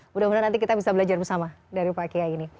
mudah mudahan nanti kita bisa belajar bersama dari pak kiai ini